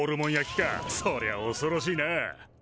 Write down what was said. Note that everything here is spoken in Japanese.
そりゃあおそろしいな。